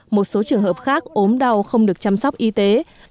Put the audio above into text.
một số trường hợp khác ốm đau không được chăm sóc y tế